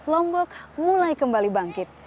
lombok mulai kembali bangkit